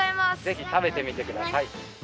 ぜひたべてみてください。